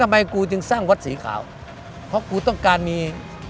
เพราะผมต้องการมี